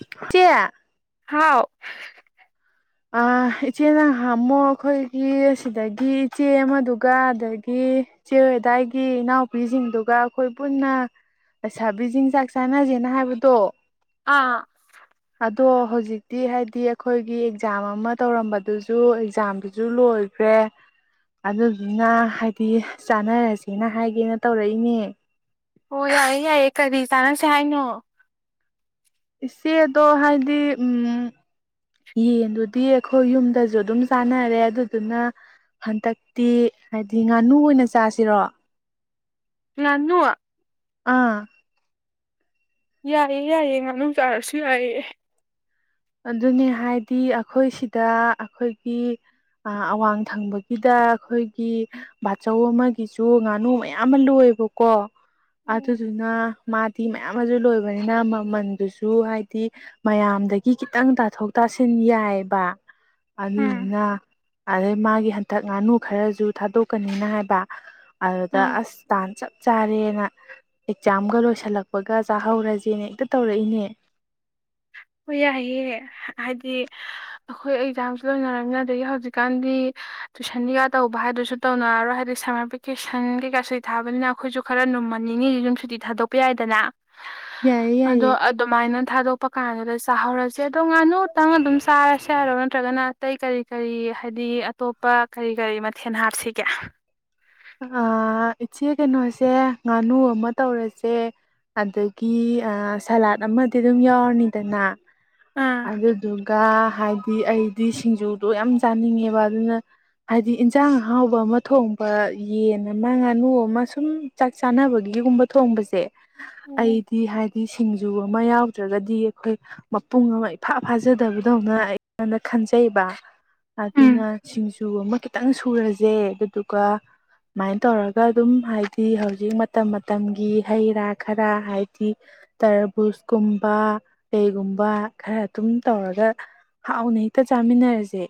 ꯏꯆꯦ ꯍꯥꯎ ꯏꯆꯦ ꯅꯥꯡ ꯍꯥꯝꯃꯣ ꯑꯩꯈꯣꯏꯒꯤ ꯑꯁꯤꯗꯒꯤ ꯏꯆꯦ ꯑꯃꯗꯨꯒ ꯑꯗꯒꯤ ꯏꯆꯦ ꯑꯗꯥꯏꯒꯤ ꯏꯅꯥꯎꯄꯤꯁꯤꯡꯗꯨꯒ ꯑꯩꯈꯣꯏ ꯄꯨꯟꯅ ꯂꯩꯁꯥꯕꯤ ꯆꯤꯟꯖꯥꯛ ꯆꯥꯅꯁꯦꯅ ꯍꯥꯏꯕꯗꯣ ꯑꯥ ꯑꯗꯣ ꯍꯧꯖꯤꯛꯇꯤ ꯍꯥꯏꯗꯤ ꯑꯩꯈꯣꯏꯒꯤ ꯑꯦꯛꯖꯥꯝ ꯑꯃ ꯇꯧꯔꯝꯕꯗꯨꯁꯨ ꯑꯦꯛꯖꯥꯝꯗꯨꯁꯨ ꯂꯣꯏꯈ꯭ꯔꯦ ꯑꯗꯨꯗꯨꯅ ꯍꯥꯏꯗꯤ ꯆꯥꯟꯅꯔꯁꯦꯅ ꯍꯥꯏꯒꯦꯅ ꯇꯧꯔꯛꯏꯅꯦ ꯑꯣ ꯌꯥꯏꯌꯦ ꯌꯥꯏꯌꯦ ꯀꯔꯤ ꯆꯥꯟꯅꯁꯦ ꯍꯥꯏꯅꯣ ꯏꯆꯦꯗꯣ ꯍꯥꯏꯗꯤ ꯎ ꯌꯦꯟꯗꯨꯗꯤ ꯑꯩꯈꯣꯏ ꯌꯨꯝꯗꯁꯨ ꯑꯗꯨꯝ ꯆꯥꯅꯔꯦ ꯑꯗꯨꯗꯨꯅ ꯍꯟꯗꯛꯇꯤ ꯍꯥꯏꯕꯗꯤ ꯉꯥꯅꯨ ꯑꯣꯏꯅ ꯆꯥꯁꯤꯔꯣ ꯉꯅꯨ ꯑꯥ ꯌꯥꯏꯌꯦ ꯌꯥꯏꯌꯦ ꯉꯥꯅꯨ ꯆꯥꯔꯁꯨ ꯌꯥꯏꯑꯌꯦ ꯑꯗꯨꯅꯦ ꯍꯥꯏꯗꯤ ꯑꯩꯈꯣꯏ ꯁꯤꯗ ꯑꯩꯈꯣꯏꯒꯤ ꯑꯋꯥꯡ ꯊꯪꯕꯒꯤꯗ ꯑꯩꯈꯣꯏꯒꯤ ꯕꯥꯆꯧ ꯑꯃꯒꯤꯁꯨ ꯉꯥꯅꯨ ꯃꯌꯥꯝ ꯑꯃ ꯂꯣꯏꯌꯦꯕꯀꯣ ꯎꯝ ꯑꯗꯨꯗꯨꯅ ꯃꯥꯗꯤ ꯃꯌꯥꯝ ꯑꯃꯁ ꯂꯣꯏꯕꯅꯤꯅ ꯃꯃꯟꯗꯨꯁꯨ ꯍꯥꯏꯗꯤ ꯃꯌꯥꯝꯗꯒꯤ ꯒꯤ ꯈꯤꯇꯪ ꯇꯥꯊꯣꯛ ꯇꯥꯁꯤꯟ ꯌꯥꯏꯕ ꯑꯗꯨꯗꯨꯅ ꯑꯗꯩ ꯃꯥꯒꯤ ꯍꯟꯇꯛ ꯉꯥꯅꯨ ꯈꯔꯖ ꯊꯥꯗꯣꯛꯀꯅꯤꯅ ꯍꯥꯏꯕ ꯑꯗꯨꯗ ꯎꯝ ꯑꯁ ꯇꯥꯟ ꯆꯞ ꯆꯥꯔꯦꯅ ꯑꯦꯛꯖꯥꯝꯒ ꯂꯣꯏꯁꯤꯜꯂꯛꯄꯒ ꯆꯥꯍꯧꯔꯁꯦꯅ ꯍꯦꯛꯇ ꯇꯧꯔꯛꯏꯅꯦ ꯍꯣꯏ ꯌꯥꯏꯌꯦ ꯍꯥꯏꯗꯤ ꯑꯩꯈꯣꯏ ꯑꯦꯛꯖꯥꯝꯁꯨ ꯂꯣꯏꯅꯔꯕꯅꯤꯅ ꯑꯗꯒꯤ ꯍꯧꯖꯤꯛꯀꯥꯟꯗꯤ ꯇꯨꯏꯁꯟ ꯀꯩꯀꯥ ꯇꯧꯕ ꯍꯥꯏꯗꯨꯁꯨ ꯇꯧꯅꯔꯔꯣꯏ ꯍꯥꯏꯗꯤ ꯁꯝꯃꯔ ꯚꯦꯀꯦꯁꯟ ꯀꯩꯀꯥꯁꯨ ꯊꯥꯕꯅꯤꯅ ꯑꯩꯈꯣꯏꯁꯨ ꯈꯔ ꯅꯨꯝꯃꯟꯅꯤꯡꯉꯤꯗꯤ ꯌꯨꯝ ꯁꯨꯇꯤ ꯊꯥꯗꯣꯛꯄ ꯌꯥꯏꯗꯅ ꯌꯥꯏꯌꯦ ꯑꯗꯣ ꯌꯥꯏꯌꯦ ꯑꯗꯨꯃꯥꯏꯅ ꯊꯥꯗꯣ ꯀꯥꯟꯗꯨꯗꯥ ꯆꯥ ꯍꯧꯔ꯭ꯁꯦ ꯆꯦ ꯗꯣ ꯉꯥꯅꯨ ꯇꯪ ꯑꯗꯨꯝ ꯆꯥꯔꯁꯦ ꯍꯥꯏꯔꯣ ꯅꯠꯇ꯭ꯔꯒꯅ ꯑꯇꯩ ꯀꯔꯤ ꯀꯔꯤ ꯍꯥꯏꯗꯤ ꯑꯇꯣꯞꯄ ꯀꯔꯤ ꯀꯔꯤ ꯃꯊꯦꯜ ꯍꯥꯞꯁꯤꯒꯦ ꯏꯆꯦ ꯀꯩꯅꯣꯁꯦ ꯉꯥꯅꯨ ꯑꯃ ꯇꯧꯔꯁꯦ ꯑꯗꯒꯤ ꯁꯂꯥꯠ ꯑꯃꯗꯤ ꯑꯗꯨꯝ ꯌꯥꯎꯔꯅꯤꯗꯅ ꯑꯥ ꯑꯗꯨꯗꯨꯒ ꯍꯥꯏꯗꯤ ꯑꯩꯗꯤ ꯁꯤꯡꯖꯨꯗꯣ ꯌꯥꯝ ꯆꯥꯅꯤꯡꯉꯦꯕ ꯑꯗꯨꯅ ꯍꯥꯏꯗꯤ ꯏꯟꯁꯥꯡ ꯑꯥꯎꯕ ꯑꯃ ꯊꯣꯡꯕ ꯌꯦꯟ ꯑꯃ ꯉꯥꯅꯨ ꯑꯃ ꯁꯨꯝ ꯆꯥꯛ ꯆꯥꯅꯕꯒꯤꯒꯨꯝꯕ ꯊꯣꯡꯕꯁꯦ ꯎꯝ ꯑꯩꯗꯤ ꯍꯥꯏꯗꯤ ꯁꯤꯡꯖꯨ ꯑꯃ ꯌꯥꯎꯗ꯭ꯔꯒꯗꯤ ꯑꯩꯈꯣꯏ ꯃꯄꯨꯡ ꯑꯃ ꯏꯐꯥ ꯐꯥꯖꯗꯕꯗꯧꯅ ꯑꯩꯉꯣꯟꯗ ꯈꯟꯖꯩꯕ ꯑꯗꯨꯅ ꯎꯝ ꯁꯤꯡꯖꯨ ꯑꯃ ꯈꯤꯇꯪ ꯁꯨꯔꯁꯦ ꯑꯗꯨꯗꯨꯒ ꯁꯨꯃꯥꯏꯅ ꯇꯧꯔꯒ ꯑꯗꯨꯝ ꯍꯥꯏꯗꯤ ꯍꯧꯖꯤꯛ ꯃꯇꯝ ꯃꯇꯝꯒꯤ ꯍꯩ ꯔꯥ ꯈꯔ ꯍꯥꯏꯗꯤ ꯇꯔꯕꯨꯁꯀꯨꯝꯕ ꯀꯩꯒꯨꯝꯕ ꯈꯔ ꯑꯗꯨꯝ ꯇꯧꯔꯒ ꯍꯥꯎꯅ ꯍꯦꯛꯇ ꯆꯥꯃꯤꯟꯅꯔꯁꯦ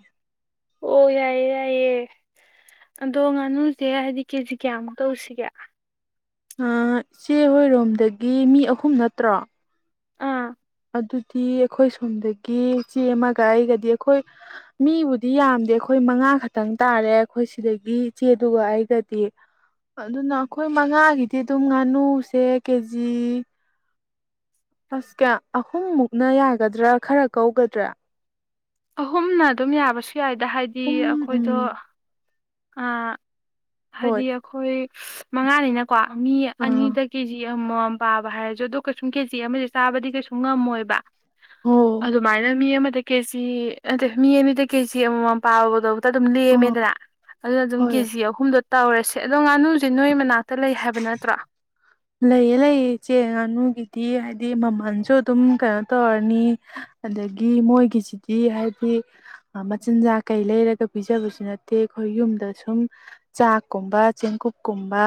ꯑꯣ ꯌꯥꯏꯌꯦ ꯌꯥꯏꯌꯦ ꯑꯗꯣ ꯉꯥꯅꯨꯁꯦ ꯍꯥꯏꯗꯤ ꯀꯦꯖꯤ ꯀꯌꯥꯃꯨꯛ ꯇꯧꯁꯤꯒꯦ ꯏꯆꯦ ꯍꯣꯏꯔꯣꯝꯗꯒꯤ ꯃꯤ ꯑꯍꯨꯝ ꯅꯠꯇ꯭ꯔꯣ ꯑꯥ ꯑꯗꯨꯗꯤ ꯑꯩꯈꯣꯏ ꯁꯣꯝꯗꯒꯤ ꯆꯦ ꯑꯃꯒ ꯑꯩꯒꯗꯤ ꯑꯩꯈꯣꯏ ꯃꯤꯕꯨꯗꯤ ꯌꯥꯝꯗꯦ ꯑꯩꯈꯣꯏ ꯃꯉꯥ ꯈꯛꯇꯪ ꯇꯥꯔꯦ ꯑꯩꯈꯣꯏ ꯁꯤꯗꯒꯤ ꯆꯦꯗꯨꯒ ꯑꯩꯒꯗꯤ ꯑꯗꯨꯅ ꯑꯩꯈꯣꯏ ꯃꯉꯥꯒꯤꯗꯤ ꯑꯗꯨꯝ ꯉꯥꯅꯨꯁꯦ ꯀꯦꯖꯤ ꯑꯁ ꯀꯌꯥ ꯑꯍꯨꯝ ꯃꯨꯛꯅ ꯌꯥꯒꯗ꯭ꯔꯥ ꯈꯔ ꯀꯧꯒꯗ꯭ꯔꯥ ꯑꯍꯨꯝꯅ ꯑꯗꯨꯝ ꯌꯥꯕꯁꯨ ꯌꯥꯏꯗ ꯍꯥꯏꯗꯤ ꯎꯝ ꯑꯩꯈꯣꯏꯗꯣ ꯎꯝ ꯑ ꯍꯣꯏ ꯍꯥꯏꯗꯤ ꯑꯩꯈꯣꯏ ꯃꯉꯥꯅꯤꯅ ꯀꯣ ꯃꯤ ꯑꯥ ꯑꯅꯤꯗ ꯀꯦꯖꯤ ꯌꯥꯝ ꯃꯣ ꯌꯥꯝ ꯄꯥꯕ ꯍꯥꯏꯔꯁꯨ ꯑꯗꯣ ꯀꯩꯁꯨꯝ ꯀꯦꯖꯤ ꯑꯃꯗꯤ ꯆꯥꯕꯗꯤ ꯀꯩꯁꯨ ꯉꯝꯃꯣꯏꯕ ꯑꯣ ꯑꯗ ꯃꯅꯃ ꯃ ꯀꯦꯖꯤ ꯑꯗ ꯃꯤ ꯑꯅꯤꯗ ꯀꯦꯖꯤ ꯑꯃꯃꯝ ꯄꯥꯕꯗꯣ ꯑꯗꯨꯝ ꯑꯥ ꯂꯦꯝꯃꯦꯗꯅ ꯑꯗꯨꯅ ꯑꯗꯨꯝ ꯍꯣꯏ ꯀꯦꯖꯤ ꯌꯥꯧ ꯇꯧꯔꯁꯦ ꯑꯗꯣ ꯉꯥꯅꯨꯁꯦ ꯅꯣꯏ ꯃꯅꯥꯛꯇ ꯂꯩ ꯍꯥꯏꯕ ꯅꯠꯇ꯭ꯔꯣ ꯂꯩꯌꯦ ꯂꯩꯌꯦ ꯏꯆꯦ ꯉꯥꯅꯨꯒꯤꯗꯤ ꯍꯥꯏꯗꯤ ꯃꯃꯜꯁꯨ ꯑꯗꯨꯝ ꯀꯩꯅꯣ ꯇꯧꯔꯅꯤ ꯑꯗꯒꯤ ꯃꯣꯏꯒꯤꯁꯤꯗꯤ ꯍꯥꯏꯗꯤ ꯃꯆꯤꯟꯖꯥꯛ ꯀꯩ ꯂꯩꯔꯒ ꯄꯤꯖꯕꯁꯨ ꯅꯠꯇꯦ ꯑꯩꯈꯣꯏ ꯌꯨꯝꯗ ꯁꯨꯝ ꯆꯥꯛꯀꯨꯝꯕ ꯆꯦꯡꯀꯨꯞꯀꯨꯝꯕ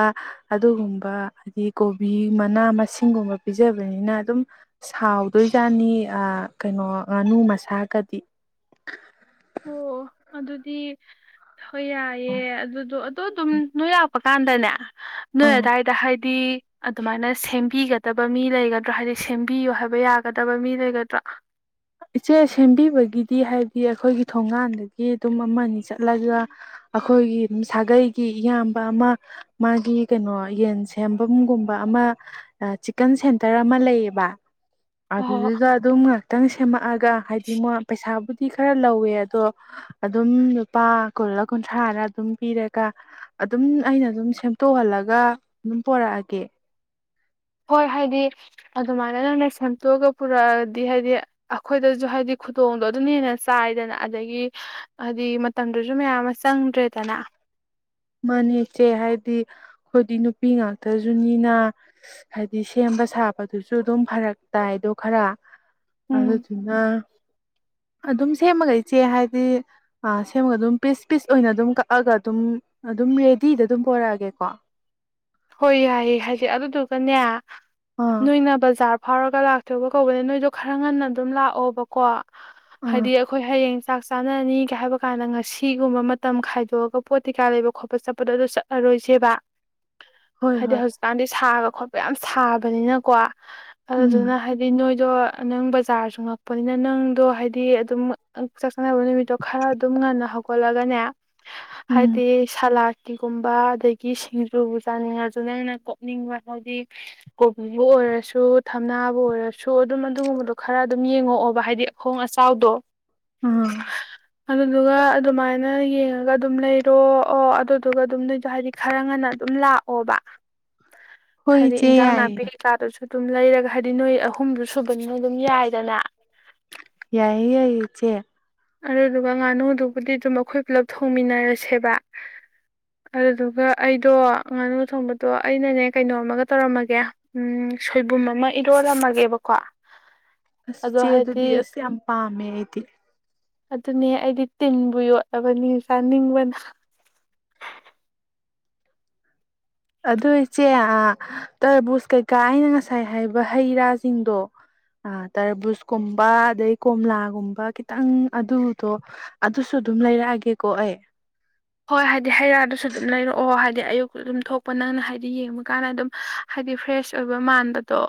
ꯑꯗꯨꯒꯨꯝꯕ ꯍꯥꯏꯗꯤ ꯀꯣꯕꯤ ꯃꯅꯥ ꯃꯁꯤꯡꯒꯨꯝꯕ ꯄꯤꯖꯕꯅꯤꯅ ꯑꯗꯨꯝ ꯍꯥꯎꯗꯣꯏꯖꯅꯤ ꯀꯩ ꯉꯥꯅꯨ ꯃꯁꯥꯒꯗꯤ ꯑꯣ ꯑꯗꯨꯗꯤ ꯍꯣꯏ ꯌꯥꯏꯑꯦ ꯑꯗꯨꯗꯣ ꯑꯗꯨꯗ ꯑꯗꯨꯝ ꯅꯣꯏ ꯂꯥꯛꯄ ꯀꯥꯟꯗꯅꯦ ꯑꯥ ꯅꯣꯏꯦꯗꯥꯥꯏꯗ ꯍꯥꯏꯗꯤ ꯑꯗꯨꯃꯥꯏꯅ ꯁꯦꯝꯕꯤꯒꯗꯕ ꯃꯤ ꯂꯩꯒꯗ꯭ꯔꯥ ꯍꯥꯏꯗꯤ ꯁꯦꯝꯕꯤꯌꯨ ꯍꯥꯏꯕ ꯌꯥꯒꯗꯕ ꯃꯤ ꯂꯩꯒꯗ꯭ꯔꯥ ꯁꯦ ꯁꯦꯝꯕꯤꯕꯒꯤꯗꯤ ꯍꯥꯏꯕꯗꯤ ꯑꯩꯈꯣꯏꯒꯤ ꯊꯣꯡꯒꯥꯟꯗꯒꯤ ꯑꯗꯨꯝ ꯑꯃ ꯑꯅꯤ ꯆꯠꯂꯒ ꯑꯩꯈꯣꯏꯒꯤ ꯁꯥꯒꯩꯒꯤ ꯏꯌꯥꯝꯕ ꯑꯃ ꯃꯥꯒꯤ ꯀꯩꯅꯣ ꯌꯦꯟ ꯁꯦꯝꯐꯝꯒꯨꯝꯕ ꯑꯃ ꯆꯤꯀꯟ ꯁꯦꯟꯇꯔ ꯑꯃ ꯂꯩꯌꯦꯕ ꯍꯣꯏ ꯍꯣꯏ ꯑꯗꯨꯗꯤ ꯑꯗꯨꯒ ꯇꯪ ꯁꯦꯝꯃꯛꯑꯒ ꯍꯥꯏꯗꯤ ꯃ ꯄꯩꯁꯥꯕꯨꯗꯤ ꯈꯔ ꯂꯧꯋꯦ ꯑꯗꯣ ꯑꯗꯨꯝ ꯂꯨꯄꯥ ꯀꯨꯜꯂꯥ ꯀꯨꯟꯊ꯭ꯔꯥꯔ ꯑꯗꯨꯝ ꯄꯤꯔꯒ ꯑꯗꯨꯝ ꯑꯩꯅ ꯑꯗꯨꯝ ꯁꯦꯝꯗꯣꯛꯍꯜꯂꯒ ꯑꯗꯨꯝ ꯄꯣꯔꯛꯑꯒꯦ ꯍꯣꯏ ꯍꯥꯏꯗꯤ ꯑꯗꯨꯃꯥꯏꯅ ꯅꯪꯅ ꯁꯦꯝꯇꯣꯛꯑꯒ ꯄꯨꯔꯛꯑꯗꯤ ꯍꯥꯏꯗꯤ ꯑꯩꯈꯣꯏꯗꯁꯨ ꯍꯥꯏꯗꯤ ꯈꯨꯗꯣꯡꯗꯣ ꯑꯗꯨꯝ ꯍꯦꯟꯅ ꯆꯥꯏꯗꯅ ꯑꯗꯒꯤ ꯍꯥꯏꯗꯤ ꯃꯇꯝꯗꯨꯁꯨ ꯃꯌꯥꯝ ꯑꯃ ꯆꯪꯗ꯭ꯔꯦꯗꯅ ꯃꯅꯦꯦꯛꯁꯦ ꯍꯥꯏꯗꯤ ꯑꯩꯈꯣꯏꯗꯤ ꯅꯨꯄꯤ ꯉꯥꯛꯇꯁꯨꯅꯤꯅ ꯍꯥꯏꯕꯗꯤ ꯁꯦꯝꯕ ꯁꯥꯕꯗꯨꯁꯨ ꯑꯗꯨꯝ ꯐꯔꯛ ꯇꯥꯏꯗꯣ ꯈꯔ ꯑ ꯎꯝ ꯁꯤꯅ ꯑꯗꯨꯝ ꯁꯦꯝꯃꯒ ꯏꯆꯦ ꯍꯥꯏꯗꯤ ꯁꯦꯝꯃꯒ ꯑꯗꯨꯝ ꯄꯤꯁ ꯄꯤꯁ ꯑꯣꯏꯅ ꯑꯗꯨꯝ ꯀꯛꯑꯒ ꯑꯗꯨꯝ ꯑꯗꯨꯝ ꯔꯦꯗꯤꯗ ꯑꯗꯨꯝ ꯄꯔꯛꯑꯒꯦꯀꯣ ꯍꯣꯏ ꯌꯥꯏꯌꯦ ꯍꯥꯏꯗꯤꯦ ꯑꯗꯨꯗꯨꯒꯅꯦ ꯑꯥ ꯅꯣꯏꯅ ꯕꯖꯔ ꯐꯥꯎꯔꯒ ꯂꯥꯛꯆꯒ ꯀꯧꯕꯅꯦ ꯅꯣꯏꯗꯣ ꯈꯔ ꯉꯟꯅ ꯑꯗꯨꯝ ꯂꯥꯛꯑꯣꯕꯀꯣ ꯑꯥ ꯍꯥꯏꯗꯤ ꯑꯩꯈꯣꯏ ꯍꯌꯦꯡ ꯆꯥꯛ ꯆꯥꯅꯔꯅꯤꯒ ꯍꯥꯏꯕ ꯀꯥꯟꯗ ꯉꯁꯤꯒꯨꯝꯕ ꯃꯇꯝ ꯈꯥꯏꯗꯣꯛꯑꯒ ꯄꯣꯠ ꯀꯩꯀꯥ ꯂꯩꯕ ꯈꯣꯠꯄ ꯆꯠꯄꯗꯣ ꯑꯗꯨ ꯆꯠꯂꯔꯣꯏꯁꯦꯕ ꯍꯣꯏ ꯍꯥꯏꯗꯤ ꯍꯣꯏ ꯍꯧꯖꯤꯛꯀꯥꯟꯗꯤ ꯁꯥꯒ ꯈꯣꯠꯄ ꯌꯥꯝ ꯁꯥꯕꯅꯤꯅꯀꯣ ꯎꯝ ꯑꯗꯨꯗꯨꯅ ꯍꯥꯏꯗꯤ ꯅꯣꯏ ꯑꯗꯣ ꯅꯪ ꯕꯖꯥꯔꯁꯨ ꯉꯛꯄꯅꯤꯅ ꯅꯪꯗꯣ ꯍꯥꯏꯗꯤ ꯑꯗꯨꯝ ꯆꯥꯛ ꯆꯥꯅꯕ ꯅꯨꯃꯤꯠꯇꯣ ꯈꯔ ꯑꯗꯨꯝ ꯉꯟꯅ ꯍꯧꯒꯠꯂꯒꯅꯦ ꯎꯝ ꯍꯥꯏꯗꯤ ꯁꯂꯥꯠ ꯇꯤꯒꯨꯝꯕ ꯑꯗꯒꯤ ꯁꯤ ꯆꯥꯅꯤꯡꯉꯁꯨ ꯅꯪꯅ ꯀꯣꯛꯅꯤꯡꯕ ꯍꯥꯏꯗꯤ ꯀꯣꯕꯤꯕꯨ ꯑꯣꯏꯔꯁꯨ ꯊꯝꯅꯥꯕꯨ ꯑꯣꯏꯔꯁꯨ ꯁꯣ ꯑꯗꯨꯝ ꯑꯗꯨꯒꯨꯝꯕꯗꯣ ꯈꯔ ꯑꯗꯨꯝ ꯌꯦꯡꯉꯛꯑꯣ ꯍꯥꯏꯗꯤ ꯑꯈꯣꯡ ꯑꯆꯥꯎꯗꯣ ꯑꯥ ꯑꯗꯨꯗꯨꯒ ꯑꯗꯨꯃꯥꯏꯅ ꯌꯦꯡꯉꯒ ꯑꯗꯨꯝ ꯂꯩꯔꯣ ꯑꯣ ꯑꯗꯨꯗꯨꯒ ꯑꯗꯨꯝ ꯅꯗꯣ ꯍꯥꯏꯗꯤ ꯈꯔ ꯉꯟꯅ ꯑꯗꯨꯝ ꯂꯥꯛ ꯑꯣꯕ ꯍꯣꯏ ꯍꯥꯏꯗꯤ ꯏꯆꯦ ꯏꯟꯖꯥꯡ ꯌꯥꯏꯌꯦ ꯅꯥꯄꯤꯒꯤ ꯂꯥꯗꯁꯨ ꯑꯗꯨꯝ ꯂꯩꯔꯒ ꯍꯥꯏꯗꯤ ꯅꯣꯏ ꯑꯍꯨꯝꯗꯨ ꯁꯨꯕꯅꯤ ꯅꯣꯏ ꯑꯗꯨꯝ ꯌꯥꯏꯗꯅ ꯌꯥꯏ ꯌꯥꯆꯦ ꯑꯗꯨꯗꯨꯒ ꯉꯥꯅꯨꯗꯨꯕꯨꯗꯤ ꯑꯗꯨꯝ ꯑꯩꯈꯣꯏ ꯄꯨꯂꯞ ꯊꯣꯡꯃꯤꯟꯅꯔꯁꯦꯕ ꯑꯗꯨꯗꯨꯒ ꯑꯩꯗꯣ ꯉꯥꯅꯨ ꯊꯣꯡꯕꯗꯣ ꯑꯩꯅꯅꯦ ꯀꯩꯅꯣꯝꯃꯒ ꯇꯧꯔꯝꯃꯒꯦ ꯁꯣꯏꯕꯨꯝ ꯑꯃ ꯏꯔꯣꯜꯂꯝꯝꯃꯒꯦꯕꯀꯣ ꯑꯁ ꯆꯦ ꯑꯗꯨꯗꯤ ꯑꯁ ꯌꯥꯝ ꯄꯥꯝ ꯃꯃꯦꯗꯤ ꯑꯗꯨꯅꯦ ꯑꯩꯗꯤ ꯇꯤꯟꯕꯨ ꯌꯣꯠꯂꯕꯅꯤ ꯆꯥꯅꯤꯡꯕꯅ ꯑꯗꯨ ꯏꯆꯦ ꯇꯔꯕꯨꯖ ꯀꯩꯀꯥ ꯑꯩꯅ ꯉꯁꯥꯏ ꯍꯥꯏꯕ ꯍꯩ ꯔꯥꯁꯤꯡꯗꯣ ꯇꯔꯕꯨꯖꯀꯨꯝꯕ ꯑꯗꯩ ꯀꯣꯝꯂꯥꯒꯨꯝꯕ ꯈꯤꯇꯪ ꯑꯗꯨꯗꯣ ꯑꯗꯨꯁꯨ ꯑꯗꯨꯝ ꯂꯩꯔꯛꯑꯒꯦꯀꯣ ꯑꯩ ꯍꯣꯏ ꯍꯥꯏꯗꯤ ꯍꯩ ꯔꯥꯗꯨꯁꯨ ꯑꯗꯨꯝ ꯂꯩꯔꯛꯑꯣ ꯍꯥꯏꯗꯤ ꯑꯌꯨꯛ ꯑꯗꯨꯝ ꯊꯣꯛꯄ ꯅꯪꯅ ꯍꯥꯏꯗꯤ ꯌꯦꯡꯕ ꯀꯥꯟꯗ ꯑꯗꯨꯝ ꯍꯥꯏꯗꯤ ꯐ꯭ꯔꯦꯁ ꯑꯣꯏꯕ ꯃꯥꯟꯕꯗꯣ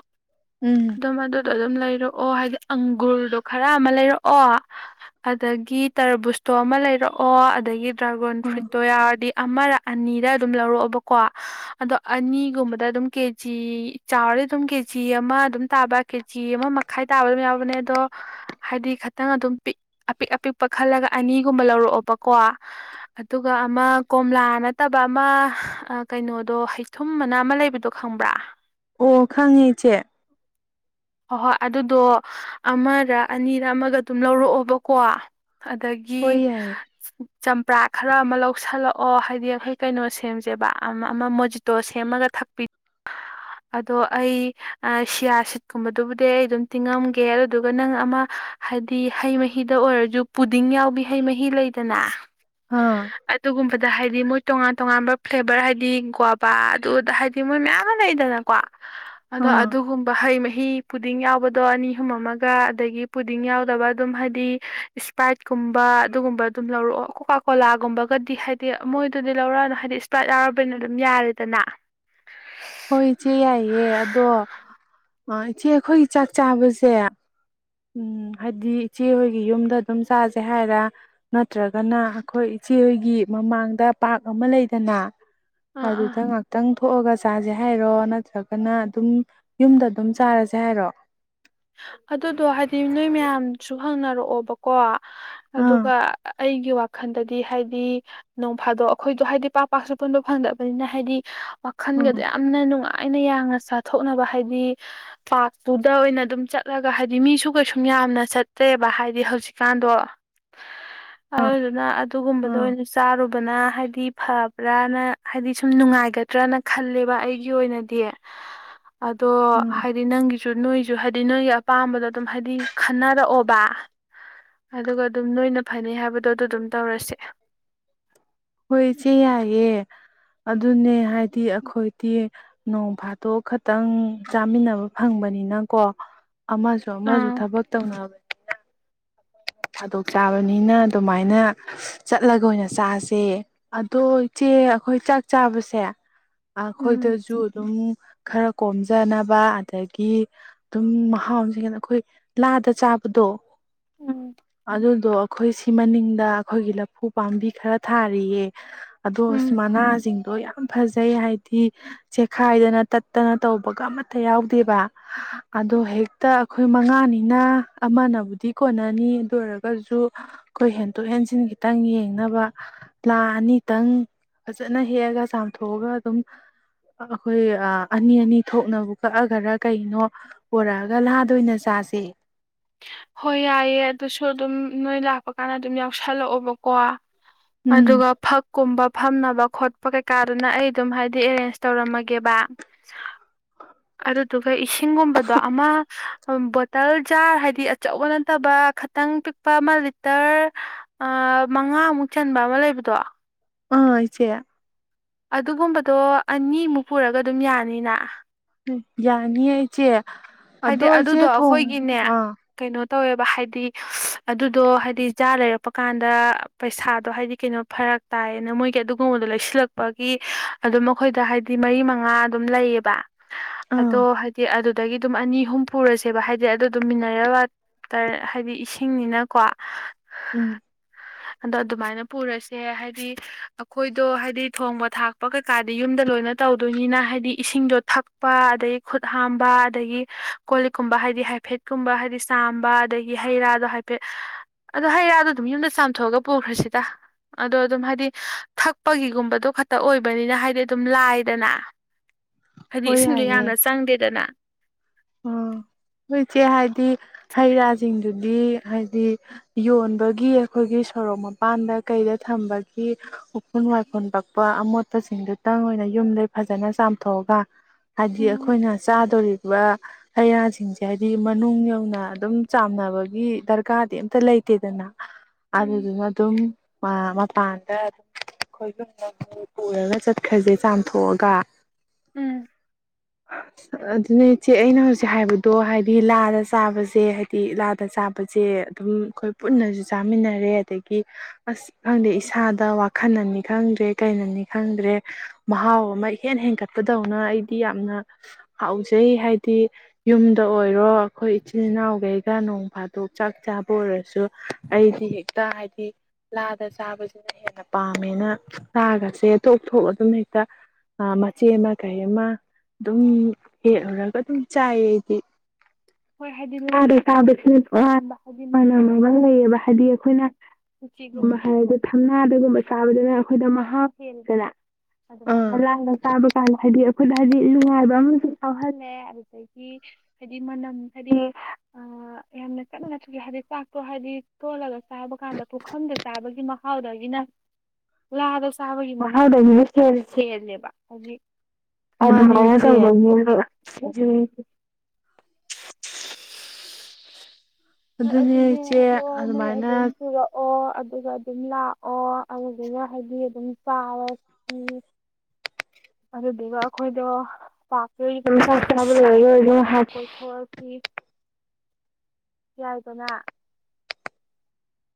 ꯎꯝ ꯑꯗꯣ ꯃꯗꯨ ꯑꯗꯨꯝ ꯂꯩꯔꯛꯑꯣ ꯍꯥꯏꯗꯤ ꯑꯪꯒꯨꯔꯗꯣ ꯈꯔ ꯑꯃ ꯂꯩꯔꯛꯑꯣ ꯑꯗꯒꯤ ꯇꯔꯕꯨꯁꯇꯣ ꯑꯃ ꯂꯩꯔꯛꯑꯣ ꯑꯗꯒꯤ ꯗ꯭ꯔꯥꯒꯣꯟ ꯐ꯭ꯔꯤꯇꯣꯌꯥꯔꯗꯤ ꯑꯃꯔꯥ ꯑꯅꯤꯔꯥ ꯑꯗꯨꯝ ꯂꯧꯔꯛꯑꯣꯕꯀꯣ ꯑꯗꯣ ꯑꯅꯤꯒꯨꯝꯕꯗ ꯑꯗꯨꯝ ꯀꯦꯖꯤ ꯆꯥꯎꯔꯗꯤ ꯑꯗꯨꯝ ꯀꯦꯖꯤ ꯑꯃ ꯑꯗꯨꯝ ꯇꯥꯕ ꯀꯦꯖꯤ ꯑꯃ ꯃꯈꯥꯏ ꯇꯥꯕ ꯑꯗꯨꯝ ꯌꯥꯎꯕꯅꯦ ꯑꯗꯣ ꯍꯥꯏꯗꯤ ꯈꯤꯇꯪ ꯑꯗꯨꯝ ꯄꯤꯛ ꯑꯄꯤꯛ ꯑꯄꯤꯛꯄ ꯈꯜꯂꯒ ꯑꯅꯤꯒꯨꯝꯕ ꯂꯧꯔꯛꯑꯣꯕꯀꯣ ꯑꯗꯨꯒ ꯑꯃ ꯀꯣꯝꯂꯥ ꯅꯠꯇꯕ ꯑꯃ ꯀꯩꯅꯣꯗꯣ ꯍꯩꯊꯨꯝ ꯃꯅ ꯑꯃ ꯂꯩꯕꯗꯣ ꯈꯪꯕ꯭ꯔꯥ ꯑꯣ ꯈꯪꯉꯤ ꯏꯆꯦ ꯍꯣꯏ ꯍꯣꯏ ꯑꯗꯨꯗꯣ ꯑꯃꯔꯥ ꯑꯅꯤꯔꯥ ꯑꯃꯒ ꯑꯗꯨꯝ ꯂꯧꯔꯛꯑꯣꯕꯀꯣ ꯍꯣꯏ ꯑꯗꯒꯤ ꯌꯥꯏꯌꯦ ꯆꯝꯄ꯭ꯔꯥ ꯈꯔ ꯑꯃ ꯂꯧꯁꯜꯂꯛꯑꯣ ꯍꯥꯏꯗꯤ ꯑꯩꯈꯣꯏ ꯀꯩꯅꯣ ꯁꯦꯝꯁꯦꯕ ꯑꯃ ꯑꯃ ꯃꯣꯖꯤꯇꯣ ꯁꯦꯝꯃꯒ ꯊꯛꯄꯤ ꯑꯗꯣ ꯑꯩ ꯁꯤꯌꯥꯁꯤ ꯀꯨꯝꯕꯗꯨꯕꯨꯗꯤ ꯑꯩ ꯑꯗꯨꯝ ꯇꯤꯡꯉꯝꯒꯦ ꯑꯗꯨꯗꯨꯒ ꯅꯪ ꯑꯃ ꯍꯥꯏꯗꯤ ꯍꯩ ꯃꯍꯤꯗ ꯑꯣꯏꯔꯁꯨ ꯄꯨꯗꯤꯡ ꯌꯥꯎꯕꯤ ꯍꯩ ꯃꯍꯤ ꯂꯩꯗꯅ ꯍꯥꯥ ꯕꯗ ꯍꯥꯏꯗꯤ ꯃꯣꯏ ꯇꯣꯉꯥꯟ ꯇꯣꯉꯥꯟꯕ ꯐ꯭ꯂꯦꯕꯔ ꯍꯥꯏꯗꯤ ꯒ꯭ꯋꯥꯕꯥ ꯑꯗꯨꯗ ꯍꯥꯏꯗꯤ ꯃꯣꯏ ꯃꯌꯥꯝ ꯑꯃ ꯂꯩꯗꯅꯀꯣ ꯑꯗꯣ ꯑꯥ ꯑꯗꯨꯒꯨꯝꯕ ꯍꯩ ꯃꯍꯤ ꯍꯤ ꯄꯨꯗꯤꯡ ꯌꯥꯎꯕꯗꯣ ꯑꯅꯤ ꯑꯍꯨꯝ ꯑꯃꯒ ꯑꯗꯒꯤ ꯄꯨꯗꯤꯡ ꯌꯥꯎꯗꯕ ꯑꯗꯨꯝ ꯍꯥꯏꯗꯤ ꯏꯁꯄ꯭ꯔꯥꯏꯠꯀꯨꯝꯕ ꯑꯗꯨꯒꯨꯝꯕ ꯑꯗꯨꯝ ꯂꯧꯔꯛꯑꯣ ꯀꯣꯀꯥ ꯀꯣꯂꯥꯒꯨꯝꯕꯒꯗꯤ ꯍꯥꯏꯗꯤ ꯃꯣꯏꯗꯨꯗꯤ ꯂꯧꯔꯛꯑꯅꯨ ꯍꯥꯏꯗꯤ ꯏꯁꯄ꯭ꯔꯥꯏꯠ ꯌꯥꯎꯔꯕꯅꯤꯅ ꯑꯗꯨꯝ ꯌꯥꯔꯦꯗꯅ ꯍꯣꯏ ꯏꯆꯦ ꯌꯥꯏꯌꯦ ꯑꯗꯣ ꯏꯆꯦ ꯑꯈꯣꯏꯒꯤ ꯆꯥꯛ ꯆꯥꯕꯁꯦ ꯎꯝ ꯍꯥꯏꯗꯤ ꯏꯆꯦꯍꯣꯏꯒꯤ ꯌꯨꯝꯗ ꯑꯗꯨꯝ ꯆꯥꯁꯩ ꯍꯥꯏꯔ ꯅꯠꯇ꯭ꯔꯒꯅ ꯑꯩꯈꯣꯏ ꯏꯆꯦꯍꯣꯏꯒꯤ ꯃꯃꯥꯡꯗ ꯄꯥꯔꯛ ꯑꯃ ꯂꯩꯗꯅ ꯑꯥ ꯑꯥ ꯑꯗꯨꯗ ꯉꯥꯛꯇꯪ ꯊꯣꯛꯑꯒ ꯆꯥꯁꯦ ꯍꯥꯏꯔꯣ ꯅꯠꯇ꯭ꯔꯒꯅ ꯑꯗꯨꯝ ꯌꯨꯝꯗ ꯑꯗꯨꯝ ꯆꯥꯔꯁꯦ ꯍꯥꯏꯔꯣ ꯑꯗꯨꯗꯣ ꯍꯥꯏꯗꯤ ꯅꯣꯏ ꯃꯌꯥꯝ ꯁꯨ ꯍꯪꯅꯔꯛꯑꯣꯕꯀꯣ ꯑꯥ ꯑꯗꯨꯒ ꯑꯩꯒꯤ ꯋꯥꯈꯜꯗꯗꯤ ꯍꯥꯏꯗꯤ ꯅꯣꯡ ꯐꯥꯗꯣꯛ ꯑꯩꯈꯣꯏꯗꯣ ꯍꯥꯏꯗꯤ ꯄꯥꯛ ꯄꯥꯛꯁꯨ ꯄꯨꯟꯕ ꯐꯪꯗꯕꯅꯤꯅ ꯍꯥꯏꯗꯤ ꯋꯥꯈꯜꯒꯗꯣ ꯑꯥ ꯌꯥꯝꯅ ꯅꯨꯡꯉꯥꯏ ꯑꯩꯅ ꯌꯥꯡꯅ ꯆꯥꯊꯣꯛꯅꯕ ꯍꯥꯏꯗꯤ ꯄꯥꯔꯛꯇꯨꯗ ꯑꯣꯏꯅ ꯑꯗꯨꯝ ꯆꯠꯂꯒ ꯍꯥꯏꯗꯤ ꯃꯤꯁꯨ ꯀꯩꯁꯨꯝ ꯌꯥꯝꯅ ꯆꯠꯇ꯭ꯔꯦꯕ ꯍꯥꯏꯗꯤ ꯍꯧꯖꯤꯛꯀꯥꯟꯗꯣ ꯑꯗꯨꯗꯨꯅ ꯑꯗꯨꯒꯨꯝꯕꯗ ꯑꯥ ꯑꯣꯏꯅ ꯆꯥꯔꯨꯕ ꯐꯕꯅ ꯍꯥꯏꯕꯗꯤ ꯐꯕ꯭ꯔꯅ ꯍꯥꯏꯗꯤ ꯁꯨꯝ ꯅꯨꯡꯉꯥꯏꯒꯗ꯭ꯔꯅ ꯈꯜꯂꯦꯕ ꯑꯩꯒꯤ ꯑꯣꯏꯅꯗꯤ ꯑꯗꯣ ꯑꯥ ꯍꯥꯏꯗꯤ ꯅꯪꯒꯤ ꯅꯣꯏꯁꯨꯨ ꯍꯥꯏ ꯍꯥꯏꯗꯤ ꯅꯣꯏꯒꯤ ꯑꯄꯥꯝꯕꯗꯣ ꯑꯗꯨꯝ ꯍꯥꯏꯗꯤ ꯈꯟꯅꯔꯛꯑꯣꯕ ꯑꯗꯨꯒ ꯑꯗꯨꯝ ꯅꯣꯏꯅ ꯐꯅꯩ ꯍꯥꯏꯕꯗꯣ ꯑꯗꯨ ꯑꯗꯨꯝ ꯇꯧꯔꯁꯦ ꯍꯣꯏ ꯏꯆꯦ ꯌꯥꯏꯌꯦ ꯑꯗꯨꯅꯦ ꯍꯥꯏꯗꯤ ꯑꯩꯈꯣꯏꯗꯤ ꯅꯣꯡ ꯐꯥꯗꯣꯛ ꯈꯇꯪ ꯆꯥꯃꯤꯟꯅꯕ ꯐꯪꯕꯅꯤꯅꯀꯣ ꯑꯃꯁꯨ ꯑꯃꯁꯨ ꯑꯥ ꯊꯕꯛ ꯇꯧꯅꯕꯅꯤꯅ ꯊꯥꯗꯣꯛ ꯆꯥꯕꯅꯤꯅ ꯑꯗꯨꯃꯥꯏꯅ ꯆꯠꯂꯒ ꯑꯣꯏꯅ ꯆꯥꯁꯦ ꯑꯗꯣ ꯏꯆꯦ ꯑꯩꯈꯣꯏ ꯆꯥꯛ ꯆꯥꯕꯁꯦ ꯎꯝ ꯑꯩꯈꯣꯏꯗꯁꯨ ꯑꯗꯨꯝ ꯈꯔ ꯀꯣꯝꯖꯅꯕ ꯑꯗꯒꯤ ꯑꯗꯨꯝ ꯃꯍꯥꯎꯁꯤꯡ ꯑꯩꯈꯣꯏ ꯂꯥꯗ ꯆꯥꯕꯗꯣ ꯎꯝ ꯑꯗꯨꯗꯣ ꯑꯩꯈꯣꯏ ꯁꯤ ꯃꯅꯤꯡ ꯗ ꯑꯩꯈꯣꯏꯒꯤ ꯂꯐꯨ ꯄꯥꯝꯕꯤ ꯈꯔ ꯊꯥꯔꯤꯌꯦ ꯑꯗꯣ ꯑ ꯎꯝ ꯃꯅꯥꯁꯤꯡꯗꯣ ꯌꯥꯝ ꯐꯖꯩ ꯍꯥꯏꯗꯤ ꯆꯦꯈꯥꯏꯗꯅ ꯇꯠꯇꯅ ꯇꯧꯕꯒ ꯑꯃꯠꯇ ꯌꯥꯎꯗꯦꯕ ꯑꯗꯣ ꯍꯦꯛꯇ ꯑꯩꯈꯣꯏ ꯃꯉꯥꯅꯤꯅ ꯑꯃꯅꯕꯨꯗꯤ ꯀꯣꯟꯅꯅꯤ ꯑꯗꯨ ꯑꯣꯏꯔꯒꯁꯨ ꯑꯩꯈꯣꯏ ꯍꯦꯟꯗꯣꯛ ꯍꯦꯟꯖꯤꯟ ꯈꯤꯇꯪ ꯌꯦꯡꯅꯕ ꯂꯥ ꯑꯅꯤꯇꯪ ꯐꯖꯅ ꯍꯦꯛꯑꯒ ꯆꯥꯝꯊꯣꯛꯑꯒ ꯑꯗꯨꯝ ꯑꯩꯈꯣꯏ ꯑꯅꯤ ꯑꯅꯤ ꯊꯣꯛꯅꯕꯨ ꯀꯛꯑꯒꯔ ꯀꯩꯅꯣ ꯄꯨꯔꯛꯑꯒ ꯂꯥꯗ ꯑ‌ꯣꯏꯅ ꯆꯥꯁꯦ ꯍꯣꯏ ꯌꯥꯏꯌꯦ ꯑꯗꯨꯁꯨ ꯑꯗꯨꯝ ꯅꯣꯏ ꯂꯥꯛꯄ ꯀꯥꯟꯗ ꯑꯗꯨꯝ ꯌꯥꯎꯁꯜꯂꯛꯑꯣꯕꯀꯣ ꯎꯝ ꯑꯗꯨꯒ ꯐꯛꯀꯨꯝꯕ ꯐꯝꯅꯕ ꯈꯣꯠꯄ ꯀꯩꯀꯥꯗꯨꯅ ꯑꯩ ꯑꯗꯨꯝ ꯍꯥꯏꯗꯤ ꯑꯦꯔꯦꯟꯖ ꯇꯧꯔꯝꯃꯒꯦꯕ ꯑꯗꯨꯗꯨ ꯑꯩꯈꯣꯏ ꯏꯁꯤꯡꯒꯨꯝꯕꯗꯣ ꯑꯃ ꯕꯣꯇꯜ ꯖꯥꯔ ꯍꯥꯏꯗꯤ ꯑꯆꯧꯕ ꯅꯠꯇꯕ ꯈꯤꯇꯪ ꯄꯤꯛꯄ ꯑꯃ ꯂꯤꯇꯔ ꯃꯉꯥꯃꯨꯛ ꯆꯟꯕ ꯑꯃ ꯂꯩꯕꯗꯣ ꯑꯥ ꯏꯆ‌ꯦ ꯑꯗꯨꯒꯨꯝꯕꯗꯣ ꯑꯅꯤꯃꯨꯛ ꯄꯨꯔꯒ ꯑꯗꯨꯝ ꯌꯥꯅꯤꯅ ꯌꯥꯅꯤꯌ‌ꯦ ꯏꯆ‌ꯦ ꯑꯗꯣ ꯍꯥꯏꯗꯤ ꯏꯆꯦ ꯑꯗꯨꯗꯣ ꯑꯩꯈꯣꯏꯒꯤꯅꯦ ꯊꯣꯡꯉ ꯑ ꯀꯩꯅꯣ ꯇꯧꯋꯦꯕ ꯍꯥꯏꯗꯤ ꯑꯗꯨꯗꯣ ꯍꯥꯏꯗꯤ ꯖꯥꯔ ꯂꯩꯔꯛꯄ ꯀꯥꯟꯗ ꯄꯩꯁꯥꯗꯣ ꯍꯥꯏꯗꯤ ꯀꯩꯅꯣ ꯐꯔꯛ ꯇꯥꯏꯌꯦꯅ ꯃꯣꯏꯒꯤ ꯑꯗꯨꯒꯨꯝꯕꯗꯣ ꯂꯩꯁꯤꯜꯂꯛꯄꯒꯤ ꯑꯗꯨꯝ ꯑꯩꯈꯣꯏꯗ ꯍꯥꯏꯗꯤ ꯃꯔꯤ ꯃꯉꯥ ꯑꯗꯨꯝ ꯂꯩꯌꯦꯕ ꯑꯥ ꯑꯗꯣ ꯍꯥꯏꯗꯤ ꯑꯗꯨ ꯇꯒꯤ ꯑꯗꯨꯝ ꯑꯅꯤ ꯑꯍꯨꯝ ꯄꯨꯔꯁꯦꯕ ꯍꯥꯏꯗꯤ ꯑꯗꯨ ꯑꯗꯨꯝ ꯃꯤꯅꯔ‌ꯦꯜ ꯋꯥꯇꯔ ꯍꯥꯏꯗꯤ ꯏꯁꯤꯡꯅꯤꯅꯀꯣ ꯎꯝ ꯑꯗꯣ ꯑꯗꯨꯃꯥꯏꯅ ꯄꯨꯔꯁꯦ ꯍꯥꯏꯗꯤ ꯑꯩꯈꯣꯏꯗꯣ ꯍꯥꯏꯗꯤ ꯊꯣꯡꯕ ꯊꯥꯛꯄ ꯀꯩꯀꯥꯗꯤ ꯌꯨꯝꯗ ꯂꯣꯏꯅ ꯇꯧꯗꯣꯏꯅꯤꯅ ꯍꯥꯏꯗꯤ ꯏꯁꯤꯡꯗꯣ ꯊꯛꯄ ꯑꯗꯒꯤ ꯈꯨꯠ ꯍꯥꯝꯕ ꯑꯗꯒꯤ ꯀꯣꯜ ꯂꯤꯛꯀꯨꯝꯕ ꯍꯥꯏꯗꯤ ꯍꯥꯏꯐꯦꯠꯀꯨꯝꯕ ꯍꯥꯏꯗꯤ ꯆꯥꯝꯕ ꯑꯗꯒꯤ ꯍꯩꯔꯥꯗꯣ ꯍꯥꯏꯐꯦꯠ ꯑꯗꯣ ꯍꯩꯔꯥꯗꯣ ꯑꯗꯨꯝ ꯌꯨꯝꯗ ꯄꯨꯊꯣꯛꯑꯒ ꯄꯨꯈ꯭ꯔꯁꯤꯗ ꯑꯗꯣ ꯑꯗꯨꯝ ꯍꯥꯏꯗꯤ ꯊꯛꯄꯒꯤꯒꯨꯝꯕꯗꯣ ꯈꯛꯇ ꯑꯣꯏꯕꯅꯤꯅ ꯍꯥꯏꯗꯤ ꯑꯗꯨꯝ ꯂꯥꯏꯗꯅ ꯍꯥꯏꯗꯤ ꯍꯣꯏ ꯏꯁꯤꯡꯗꯣ ꯌꯥꯏꯌꯦ ꯌꯥꯝꯅ ꯆꯪꯗꯦꯗꯅ ꯑꯣ ꯍ‌ꯣꯏ ꯏꯆꯦ ꯍꯥꯏꯗꯤ ꯍꯩ ꯔꯥꯁꯤꯡ ꯑꯗꯨꯒꯤ ꯍꯥꯏꯗꯤ ꯌꯣꯟꯕꯒꯤ ꯑꯩꯈꯣꯏꯒꯤ ꯁꯣꯔꯣꯛ ꯃꯄꯥꯟꯗ ꯀꯩꯗ ꯊꯝꯕꯒꯤ ꯎꯐꯨꯜ ꯋꯥꯏꯈꯨꯜ ꯄꯛꯄ ꯑꯃꯣꯠꯄꯁꯤꯡꯗꯨꯇꯪ ꯑꯣꯏꯅ ꯌꯨꯝꯗꯩ ꯐꯖꯅ ꯆꯥꯝꯊꯣꯛꯑꯒ ꯍꯥꯏꯗꯤ ꯎꯝ ꯑꯩꯈꯣꯏꯅ ꯆꯥꯗꯣꯔꯤꯕ ꯍꯩ ꯔꯥꯁꯤꯡꯁꯦ ꯍꯥꯏꯗꯤ ꯃꯅꯨꯡ ꯌꯧꯅ ꯑꯗꯨꯝ ꯆꯥꯝꯅꯕꯒꯤ ꯗꯔꯀꯥꯔꯗꯤ ꯑꯝꯇ ꯂꯩꯇꯦꯗꯅ ꯎꯝ ꯑꯗꯨꯗꯨꯅ ꯑꯗꯨꯝ ꯃꯄꯥꯟꯗ ꯑꯗꯨꯝ ꯈꯣꯏꯕꯨꯝꯅ ꯄꯨꯔꯒ ꯆꯠꯈ꯭ꯔꯁꯦ ꯆꯥꯝꯊꯣꯛꯑꯒ ꯎꯝ ꯑꯗꯨꯅ‌ꯦ ꯏꯆꯦ ꯑꯩꯅ ꯍꯧꯖꯤꯛ ꯍꯥꯏꯕꯗꯣ ꯍꯥꯏꯗꯤ ꯂꯥꯗ ꯆꯥꯕꯁꯦ ꯍꯥꯏꯗꯤ ꯂꯥꯗ ꯆꯥꯕꯁꯦ ꯑꯗꯨꯝ ꯑꯩꯈꯣꯏ ꯄꯨꯟꯅꯁꯨ ꯆꯥꯃꯤꯟꯅꯔꯦ ꯑꯗꯒꯤ ꯑꯁ ꯈꯪꯗꯦ ꯏꯁꯥꯗ ꯋꯥꯈꯜꯅꯅꯤ ꯈꯪꯗ꯭ꯔꯦ ꯀꯩꯅꯅꯤ ꯈꯪꯗ꯭ꯔꯦ ꯃꯍꯥꯎ ꯑꯃ ꯏꯍꯦꯟ ꯍꯦꯟꯒꯠꯄꯗꯧꯅ ꯑꯩꯗꯤ ꯌꯥꯝꯅ ꯍꯥꯎꯖꯩ ꯍꯥꯏꯗꯤ ꯍꯥꯏꯗꯤ ꯌꯨꯝꯗ ꯑꯣꯏꯔꯣ ꯑꯩꯈꯣꯏ ꯏꯆꯤꯜ ꯏꯅꯥꯎꯈꯩꯒ ꯅꯣꯡ ꯐꯥꯗꯣꯛ ꯆꯥꯛ ꯆꯥꯕ ꯑꯣꯏꯔꯁꯨ ꯑꯩꯗꯤ ꯍꯦꯛꯇ ꯍꯥꯏꯗꯤ ꯂꯥꯗ ꯆꯥꯕꯁꯤꯅ ꯍꯦꯟꯅ ꯄꯥꯝꯃꯦꯅ ꯆꯥꯛꯒꯁꯦ ꯇꯣꯞꯊꯣꯛ ꯑꯗꯨꯝ ꯍꯦꯛꯇ ꯃꯆꯦ ꯑꯃ ꯀꯩ ꯑꯃ ꯑꯗꯨꯝ ꯍꯦꯛꯂꯨꯔꯒ ꯆꯥꯏꯌ‌ꯦ ꯑꯩꯗꯤ ꯍꯣꯏ ꯍꯥꯏꯗꯤ ꯂꯥꯗ ꯆꯥꯕꯁꯤꯅ ꯇ‌ꯣꯉꯥꯟꯕ ꯍꯥꯏꯗꯤ ꯃꯅꯝ ꯑꯃ ꯂꯩꯌꯦꯕ ꯍꯥꯏꯗꯤ ꯑꯩꯈꯣꯏꯅ [unintelligible] ꯎꯝ ꯆꯤꯒꯨꯝꯃ ꯍꯥꯏ ꯊꯝ ꯉꯥ ꯑꯗꯨꯒꯒꯨꯝꯕ ꯆꯥꯕꯗꯨꯅ ꯑꯩꯈꯣꯏꯗ ꯃꯍꯥꯎ ꯍꯦꯟꯗꯅ ꯑꯥ ꯑꯗꯨꯃꯥꯏ ꯂꯥꯗ ꯆꯥꯕꯀꯥꯟ ꯍꯥꯏꯗꯤ ꯈꯨꯠ ꯍꯥꯏꯗꯤ ꯅꯨꯡꯉꯥꯏꯕ ꯑꯃꯁꯨ ꯌꯥꯎꯍꯜꯂꯦ ꯑꯗꯨꯗꯒꯤ ꯍꯥꯏꯗꯤ ꯃꯅꯝ ꯍꯥꯏꯗꯤ ꯑ ꯌꯥꯝꯅ ꯆꯠꯅ ꯅꯆ꯭ꯔ ꯍꯥꯏꯗꯤ ꯆꯥꯛꯇꯣ ꯍꯥꯏꯗꯤ ꯊꯣꯜꯂꯒ ꯆꯥꯕ ꯀꯥꯟꯗ ꯄꯨꯈꯝꯗ ꯆꯥꯕꯒꯤ ꯃꯍꯥꯎꯗꯒꯤꯅꯂꯥꯗ ꯆꯥꯕꯒꯤ ꯃꯍꯥꯎꯗꯒꯤꯅꯦꯜ ꯁꯦꯜꯂꯦꯕ ꯍꯥꯏꯗꯤ ꯑꯗ ꯃꯥꯅꯦ ꯃ ꯇ ꯏꯆꯦ ꯖ ꯑꯗꯨꯅꯦ ꯏꯆꯦ ꯑꯗꯣ ꯅꯣꯏ ꯑꯗꯨꯃꯥꯏꯅ ꯑꯗꯨꯝ ꯄꯨꯔꯛꯑꯣ ꯑꯗꯨꯒ ꯑꯗꯨꯝ ꯂꯥꯛꯑꯣ ꯑꯗꯨꯗꯨꯒ ꯍꯥꯏꯗꯤ ꯑꯗꯨꯝ ꯆꯥꯔꯁꯤ ꯑꯗꯨꯗꯨꯒ ꯑꯩꯈꯣꯏꯗꯣ ꯄꯥꯛꯄ ꯑꯗꯨꯝꯅꯕ ꯍꯥꯄꯣꯛꯊꯂꯁꯤ ꯌꯥꯏꯗꯅ